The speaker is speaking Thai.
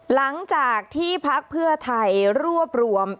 หลังจากที่พักเพื่อไทยรวบรวม